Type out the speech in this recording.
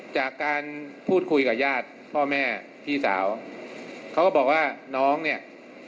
จากการพูดคุยกับญาติพ่อแม่พี่สาวเขาก็บอกว่าน้องเนี่ย